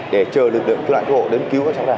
để chờ lực lượng cứu lại thú hộ đến cứu các cháu ra